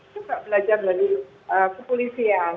saya tidak belajar dari populisian